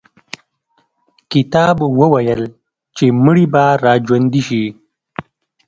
کتاب وویل چې مړي به را ژوندي شي.